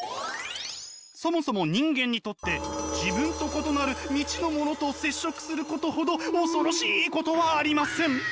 そもそも人間にとって自分と異なる未知のものと接触することほど恐ろしいことはありません！